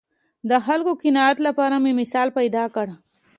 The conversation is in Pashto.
د خلکو قناعت لپاره مې مثال پیدا کړ